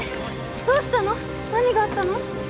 どうしたの何があったの？